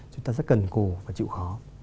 chúng ta rất cần cù và chịu khó